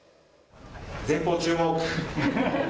前方注目！